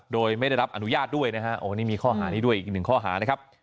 โดยไม่ได้รับอนุญาตด้วยนะฮะโอ้นี่มีข้อหานี้ด้วยอีกหนึ่งข้อหานะครับ